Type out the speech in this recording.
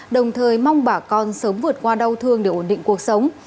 đồng thời mong bà con sớm vượt qua đau thương để ổn định cuộc sống